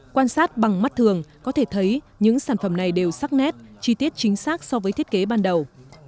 quan sát bằng mắt thường có thể thấy những sản phẩm này đều sắc nét chi tiết chính xác so với thiết kế ban đầu